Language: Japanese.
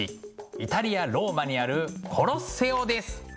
イタリア・ローマにあるコロッセオです。